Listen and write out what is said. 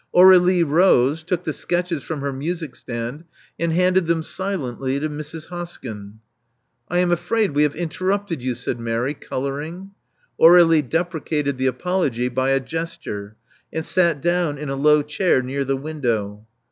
Aur^lie rose; took the sketches from her music stand; and handed them silently to Mrs. Hoskyn. I am afraid we have interrupted you," said Mary, coloring. Aurdlie deprecated the apology by a gesture, and sat down in a low chair near the window.